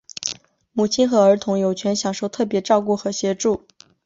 母亲和儿童有权享受特别照顾和协助。